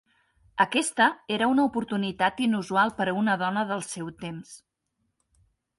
Aquesta era una oportunitat inusual per a una dona del seu temps.